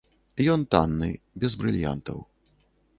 Ён танны, без брыльянтаў.